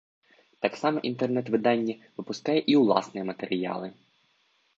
Таксама інтэрнэт-выданне выпускае і ўласныя матэрыялы.